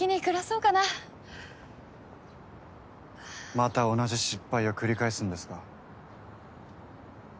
また同じ失敗を繰り返すんですか？